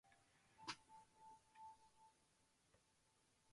経営再建戦略の実施事項詳細